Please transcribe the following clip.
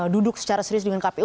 duduk secara serius dengan kpu